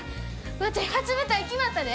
ワテ初舞台決まったで！